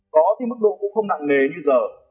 có thì mức độ cũng không nặng nề như giờ